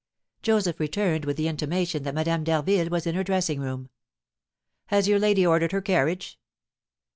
Joseph returned with the intimation that Madame d'Harville was in her dressing room. "Has your lady ordered her carriage?"